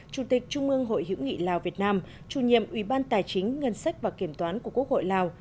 chủ tịch trung ương hội hiểu nghị lào việt nam chủ nhiệm ủy ban tài chính ngân sách và kiểm toán của quốc hội lào